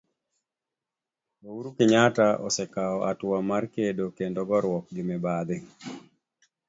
Uhuru Kenyatta osekao atua mar kedo kendo goruok gi mibadhi.